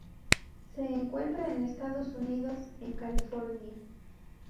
Se encuentra en Estados Unidos en California.